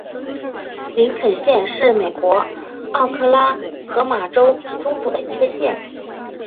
林肯县是美国奥克拉荷马州中部的一个县。